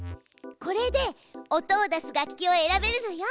これで音を出す楽器を選べるのよ。